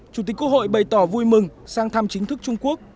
chủ tịch quốc hội bày tỏ vui mừng sang thăm chính thức trung quốc